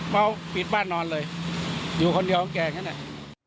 เพราะปิดบ้านนอนเลยอยู่คนเดียวแกแบบนี้